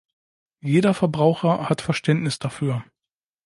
Jeder Verbraucher hat Verständnis dafür.